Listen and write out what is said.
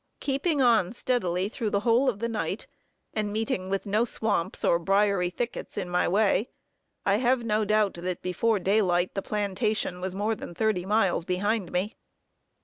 Keeping on steadily through the whole of this night, and meeting with no swamps, or briery thickets in my way, I have no doubt that before daylight the plantation was more than thirty miles behind me.